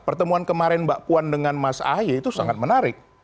pertemuan kemarin mbak puan dengan mas ahaye itu sangat menarik